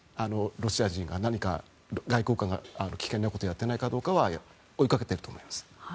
ロシア人が何か外交官が危険なことをやっていないかどうかは追いかけていると思います。